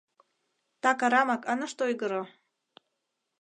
Так арамак ынышт ойгыро.